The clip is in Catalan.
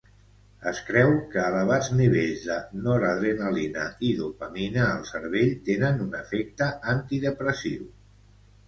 Es creu que elevats nivells de noradrenalina i dopamina al cervell tenen un efecte antidepressiu.